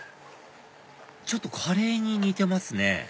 ちょっとカレーに似てますね